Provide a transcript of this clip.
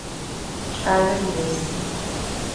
Кӏалэр есы.